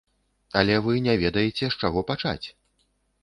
Але вы не ведаеце, з чаго пачаць?